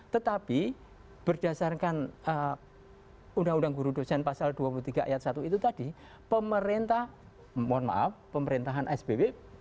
tetapi berdasarkan uu guru dosen pasal dua puluh tiga ayat satu itu tadi pemerintah mohon maaf pemerintahan sbw dua ribu lima itu uu itu dua ribu lima